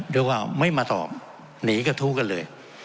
เรียกว่าไม่มาตอบหนีกระทู้กันเลย